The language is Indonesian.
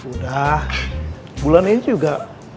udah bulannya itu juga